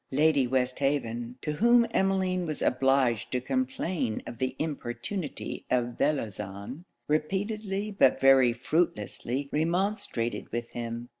Lady Westhaven, to whom Emmeline was obliged to complain of the importunity of Bellozane, repeatedly but very fruitlessly remonstrated with him.